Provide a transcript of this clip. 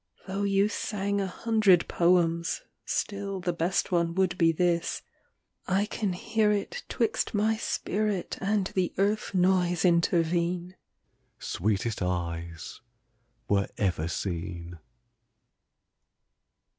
Though you sang a hundred poems, Still the best one would be this. I can hear it 'Twixt my spirit And the earth noise intervene "Sweetest eyes were ever seen!"